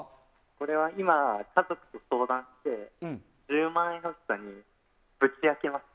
これは今、家族と相談して１０万円欲しさにぶち開けました。